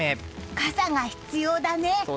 傘が必要だね！